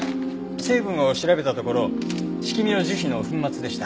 成分を調べたところシキミの樹皮の粉末でした。